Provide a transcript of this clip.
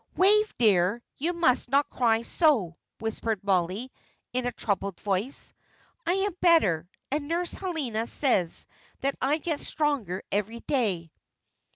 "Wave, dear, you must not cry so," whispered Mollie, in a troubled voice. "I am better, and Nurse Helena says that I get stronger every day."